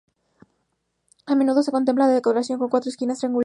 A menudo se completa la decoración con cuatro esquinas triangulares.